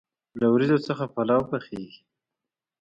له وریجو څخه پلو پخیږي.